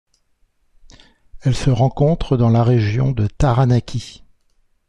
Elle se rencontre dans la région de Taranaki.